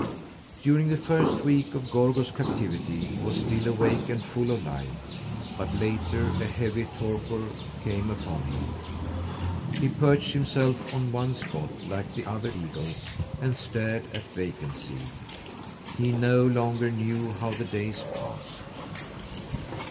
During the first week of Gorgo's captivity he was still awake and full of life, but later a heavy torpor came upon him. He perched himself on one spot, like the other eagles, and stared at vacancy. He no longer knew how the days passed.